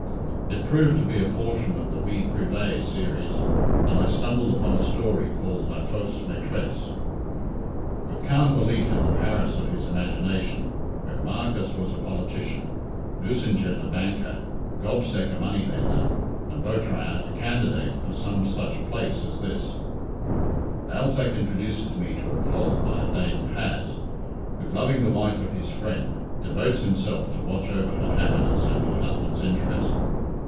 It proved to be a portion of the Vie Priveé series, and I stumbled upon a story called La Fausse Maitresse. With calm belief in the Paris of his imagination where Marcas was a politician, Nucingen a banker, Gobseck a money lender, and Vautrin a candidate for some such place as this Balzac introduces me to a Pole by name Paz, who, loving the wife of his friend, devotes himself to watch over her happiness and her husband's interest.